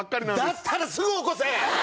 だったらすぐ起こせ！